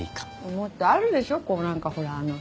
もっとあるでしょこうなんかほらあの。